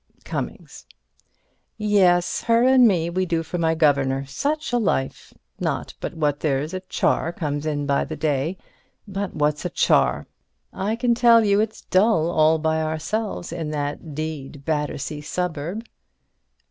Cummings: Yes; her and me we do for my governor. Such a life! Not but what there's a char comes in by the day. But what's a char? I can tell you it's dull all by ourselves in that d—d Battersea suburb.